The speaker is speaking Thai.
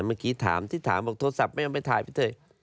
เมื่อกี้ถามที่ถามบอกโทรศัพท์ไม่เอาไปถ่ายไปเถอะ